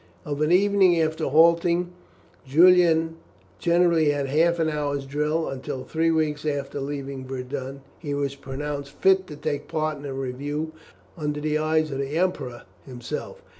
Of an evening, after halting, Julian generally had half an hour's drill, until, three weeks after leaving Verdun, he was pronounced fit to take part in a review under the eyes of the Emperor himself.